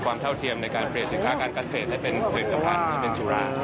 เท่าเทียมในการเปลี่ยนสินค้าการเกษตรให้เป็นผลิตภัณฑ์ที่เป็นสุรา